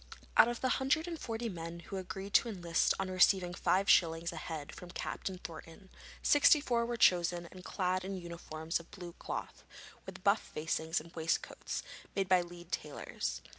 Out of the hundred and forty men who agreed to enlist on receiving five shillings a head from Captain Thornton, sixty four were chosen and clad in uniforms of blue cloth, with buff facings and waistcoats, made by Leeds tailors.